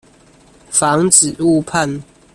防止誤判